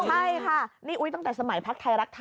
ใช่ค่ะนี่อุ๊ยตั้งแต่สมัยพักไทยรักไทย